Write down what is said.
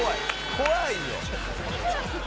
怖いよ。